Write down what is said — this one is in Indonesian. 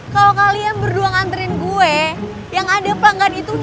kalau kalian berdua nganterin gue yang ada pelanggan itu